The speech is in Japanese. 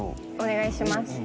お願いします。